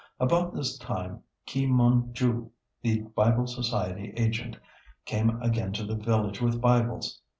About this time, Ki Mun Ju, the Bible Society agent, came again to the village with Bibles.